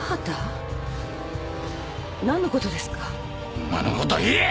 ホンマのこと言え！